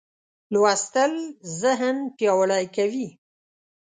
لوستل ذهن پیاوړی کوي.